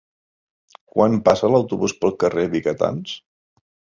Quan passa l'autobús pel carrer Vigatans?